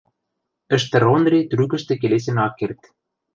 Ӹштӹр Ондри трӱкӹштӹ келесен ак керд.